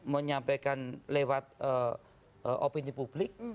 menyampaikan lewat opini publik